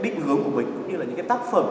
cũng như những tác phẩm